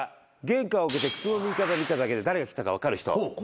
玄関を開けて靴の脱ぎ方見ただけで誰が来たか分かる人。